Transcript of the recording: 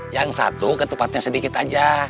yang satu ketupatnya sedikit aja